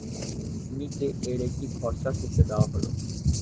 নিচে এর একটি খসড়া চিত্র দেয়া হল।